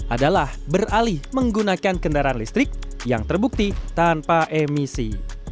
adalah beralih menggunakan kendaraan listrik yang terbukti tanpa emisi